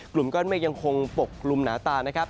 กลุ่มก้อนเมฆยังคงปกกลุ่มหนาตานะครับ